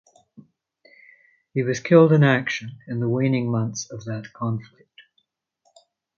He was killed in action in the waning months of that conflict.